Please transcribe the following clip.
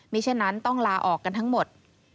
เช่นนั้นต้องลาออกกันทั้งหมด